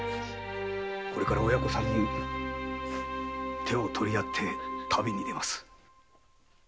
これから親子三人手を取り合って旅に出ます。